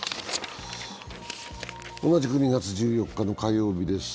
同じく１２月１４日の火曜日です。